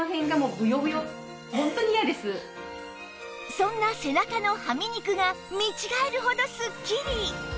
そんな背中のはみ肉が見違えるほどスッキリ